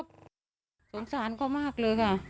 คือบอกจรงครอบครอบครัวสงสารก็มากเลยค่ะ